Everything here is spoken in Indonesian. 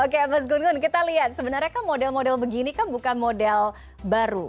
oke mas gun gun kita lihat sebenarnya kan model model begini bukan model baru